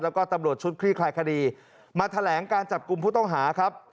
แล้วก็ตำรวจชุดคลี่คลายคดีมาแถลงการจับกลุ่มผู้ต้องหาครับ